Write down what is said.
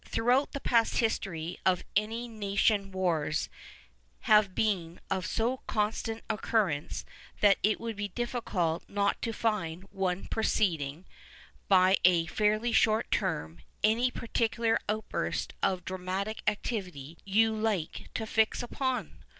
Throughout the past history of any nation wars have been of so constant occurrence that it would be difficult not to find one preceding, by a fairly short term, any particular outburst of dramatic activity you like to fix upon.